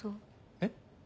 えっ？